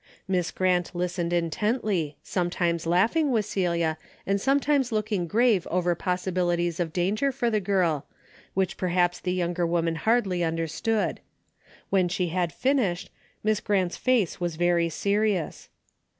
Miss Grant listened intently, sometimes laughing with Celia, and sometimes looking grave over possibilities of danger for the girl, which perhaps the younger woman hardly un derstood. When she had finished. Miss Grant's face was very serious.